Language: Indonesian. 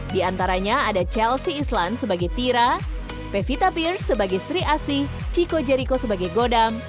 di antaranya ada chelsea islan sebagai tira pevita pierce sebagai sri asih chico jeriko sebagai godam